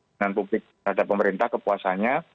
dan publik ada pemerintah kepuasannya